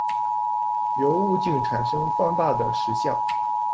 由物鏡產生放大的實像